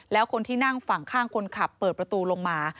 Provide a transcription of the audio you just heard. แล้วคนที่นั่งฝั่งข้างคนขับเปิดประตูลงมา